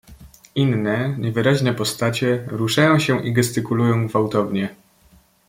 "Inne, niewyraźne postacie ruszają się i gestykulują gwałtownie."